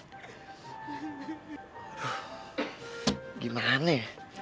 aduh gimana ya